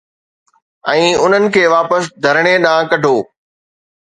۽ انھن کي واپس ڌرتيءَ ڏانھن ڪڍو